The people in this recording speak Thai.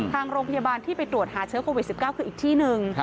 ทางโรงพยาบาลที่ไปตรวจหาเชื้อโควิด๑๙คืออีกที่หนึ่ง